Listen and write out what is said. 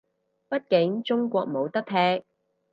畢竟中國冇得踢